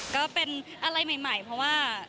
ก็เป็นอะไรใหม่เพราะว่า